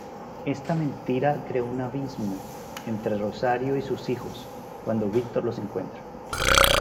Esta mentira crea un abismo entre Rosario y sus hijos cuando Víctor los encuentra.